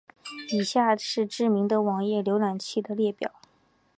以下是知名的网页浏览器的列表。